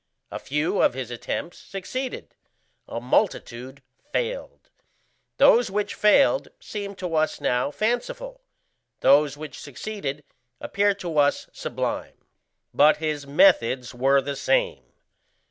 A few of his attempts succeeded a multitude failed. Those which failed seem to us now fanciful, those which succeeded appear to us sublime. But his methods were the same.